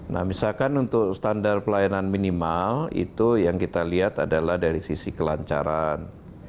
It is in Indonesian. nah misalkan untuk standar pelayanan minimal itu yang kita lihat adalah dari sisi kelancaran